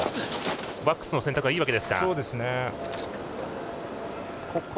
ワックスの選択はいいわけですね。